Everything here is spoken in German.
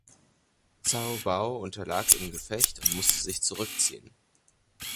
Cao Bao unterlag im Gefecht und musste sich zurückziehen.